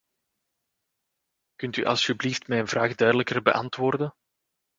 Kunt u alstublieft mijn vraag duidelijker beantwoorden.